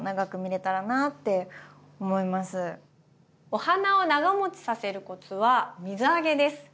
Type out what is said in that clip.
お花を長もちさせるコツは水あげです。